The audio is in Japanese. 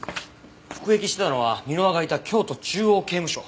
服役してたのは箕輪がいた京都中央刑務所。